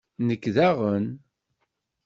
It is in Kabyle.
Nekk daɣen!